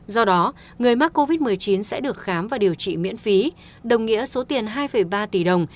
do đó người mắc covid một mươi chín sẽ được khám và điều trị miễn phí đồng nghĩa số tiền hai ba tỷ đồng